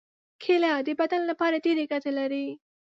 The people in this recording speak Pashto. کېله د بدن لپاره ډېرې ګټې لري.